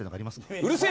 うるせえ。